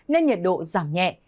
nên nhiệt độ giảm nhẹ